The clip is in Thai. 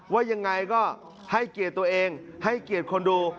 ว่ายังไงก็ให้เกียรติตัวเองให้เกียรติคนดู